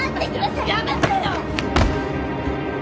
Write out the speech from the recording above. やめてよ！